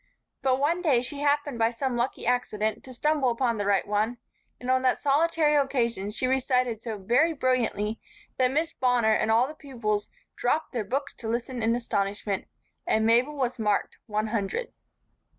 But one day she happened by some lucky accident to stumble upon the right one, and on that solitary occasion she recited so very brilliantly that Miss Bonner and all the pupils dropped their books to listen in astonishment, and Mabel was marked one hundred.